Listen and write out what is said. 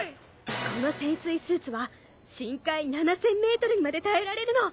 この潜水スーツは深海７０００ｍにまで耐えられるの。